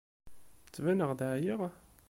Ttbineɣ-d εyiɣ?